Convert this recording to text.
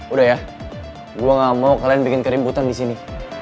udah ya gue gak mau kalian bikin kerimputan disini